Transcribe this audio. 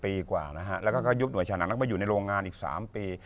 ปีกว่านะฮะแล้วก็ยุบหน่วยชานานักไปอยู่ในโรงงานอีก๓ปี